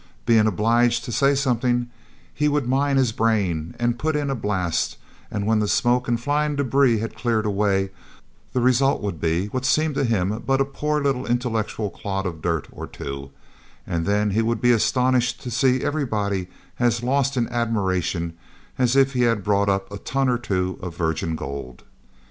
Being obliged to say something, he would mine his brain and put in a blast and when the smoke and flying debris had cleared away the result would be what seemed to him but a poor little intellectual clod of dirt or two, and then he would be astonished to see everybody as lost in admiration as if he had brought up a ton or two of virgin gold.